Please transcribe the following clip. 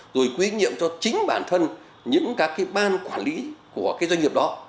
rồi quy trách nhiệm cho chính bản thân những các ban quản lý của doanh nghiệp đó